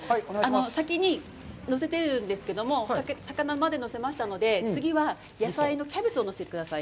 先にのせているんですけども、魚までのせましたので、次は野菜のキャベツをのせてください。